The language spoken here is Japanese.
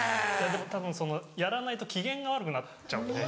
たぶんやらないと機嫌が悪くなっちゃうんで。